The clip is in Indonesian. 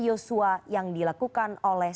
yosua yang dilakukan oleh